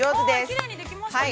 きれいにできましたね。